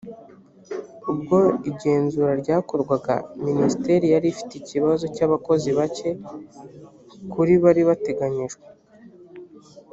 ubwo igenzura ryakorwaga minisiteri yari ifite ikibazo cy abakozi bake kuri bari bateganijwe